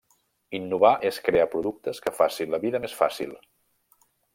Innovar és crear productes que facin la vida més fàcil.